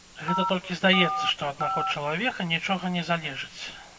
Гэта толькі здаецца, што ад аднаго чалавека нічога не залежыць.